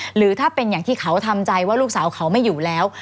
หรือถ้าเป็นอย่างที่เขาทำใจว่าลูกสาวเขาไม่อยู่แล้ว